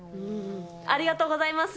ありがとうございます。